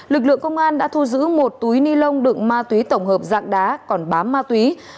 lực lượng công an đã thu giữ một túi ni lông đựng ma túy tổng hợp dạng đá còn bám ma túy